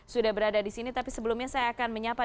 sudah berada disini tapi sebelumnya saya akan menyapa